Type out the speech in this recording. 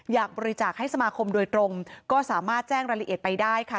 อยากบริจาคให้สมาคมโดยตรงก็สามารถแจ้งรายละเอียดไปได้ค่ะ